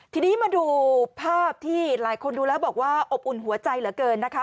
ทีนี้มาดูภาพที่หลายคนดูแล้วบอกว่าอบอุ่นหัวใจเหลือเกินนะคะ